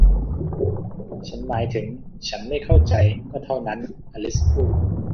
ฉันหมายถึงฉันไม่เข้าใจ ก็เท่านั้น อลิซพูด